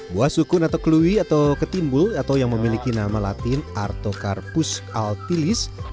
buah sukun atau klui atau ketimbul atau yang memiliki nama latin artokarpus altilis